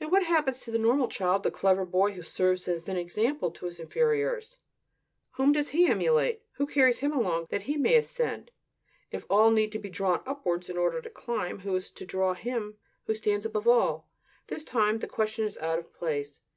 And what happens to the normal child, the clever boy, who serves as an example to his inferiors? Whom does he emulate? Who carries him along that he may ascend? If all need to be drawn upwards in order to climb, who is to draw him who stands above all? This time the question is out of place.